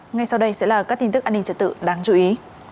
ngay sau đây sẽ là các tin tức an ninh trật tự đáng chú ý